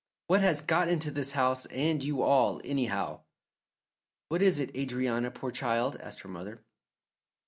"What has got into this house and you all, anyhow?" "What is it, Adrianna, poor child," asked her mother.